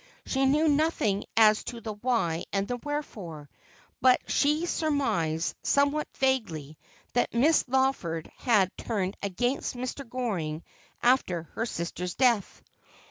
She knew nothing as to the why and the wherefore, but she surmised, somewhat vaguely, that Miss Lawford had turned against Mr. Goring after her sister's death.